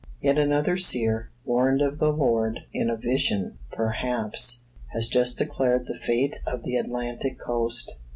Yet another seer, warned of the Lord in a vision, perhaps, has just declared the fate of the Atlantic coast.